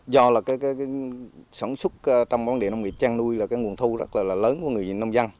do là cái sống súc trong bán địa nông nghiệp chăn nuôi là cái nguồn thu rất là lớn của người dân nông dân